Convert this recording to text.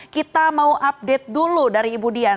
kita mau update dulu dari ibu dian